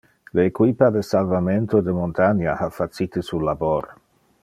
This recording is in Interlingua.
Le equipa de salvamento de montania ha facite su labor.